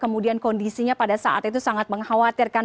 kemudian kondisinya pada saat itu sangat mengkhawatirkan